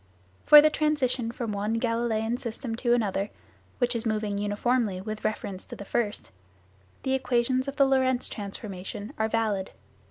For the transition from one Galileian system to another, which is moving uniformly with reference to the first, the equations of the Lorentz transformation are valid.